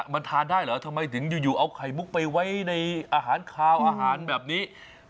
มันทานได้เหรอทำไมถึงอยู่เอาไข่มุกไปไว้ในอาหารคาวอาหารแบบนี้